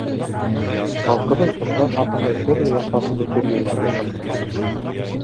Халҡыбыҙ ошолар хаҡында төрлө яҡлап фекер йөрөтөргә саҡыра.